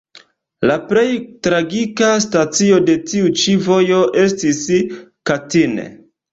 La plej tragika stacio de tiu ĉi vojo estis Katin.